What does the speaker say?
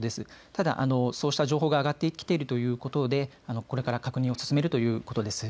ただそうした状況が上がってきということでこれから確認を進めるということです。